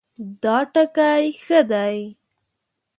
دا ټکی ښه دی